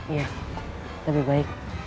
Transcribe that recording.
iya lebih baik